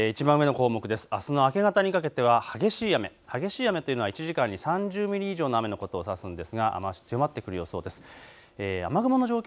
あすの明け方にかけては激しい雨、激しい雨というのは１時間に３０ミリ以上の雨のことを指すんですが雨足強まってきそうです。